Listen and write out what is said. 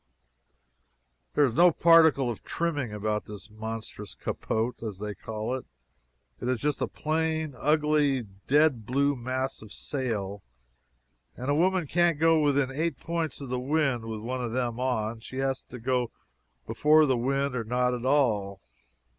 There is no particle of trimming about this monstrous capote, as they call it it is just a plain, ugly dead blue mass of sail, and a woman can't go within eight points of the wind with one of them on; she has to go before the wind or not at all.